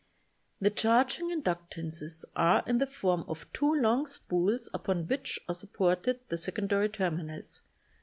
The charging inductances are in the form of two long spools upon which are supported the secondary terminals.